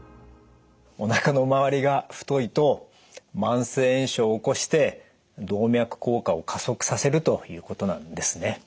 おなかの回りが太いと慢性炎症を起こして動脈硬化を加速させるということなんですね。